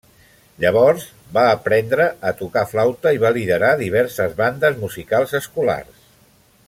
Llavors va aprendre a tocar flauta i va liderar diverses bandes musicals escolars.